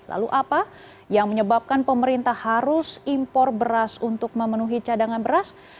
lalu apa yang menyebabkan pemerintah harus impor beras untuk memenuhi cadangan beras